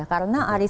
karena arisan itu